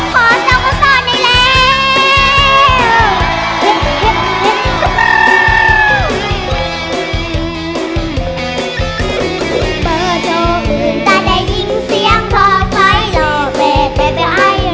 เบอร์เจ้าอื่นจาได้ยินเสียงทอดไฟละเบเบเบไอละ